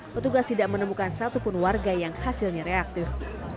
petugas tidak menemukan satupun warga yang hasilnya reaktif